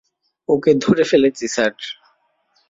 ওকে ধরে ফেলছি, স্যার।